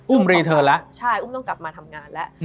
อุ้มต้องกลับมาทำงานแล้ว